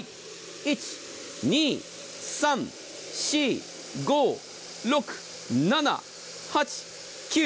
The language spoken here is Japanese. １、２、３、４、５、６、７８、９。